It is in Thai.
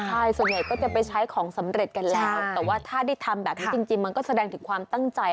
ใช่ส่วนใหญ่ก็จะไปใช้ของสำเร็จกันแล้วแต่ว่าถ้าได้ทำแบบนี้จริงมันก็แสดงถึงความตั้งใจ